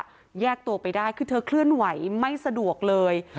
ก็แยกตัวไปได้คือเธอเคลื่อนไหวไม่สะดวกเลย